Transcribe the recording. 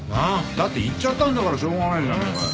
だって行っちゃったんだからしょうがねえじゃねえかよ。